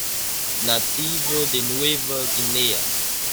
Nativo de Nueva Guinea.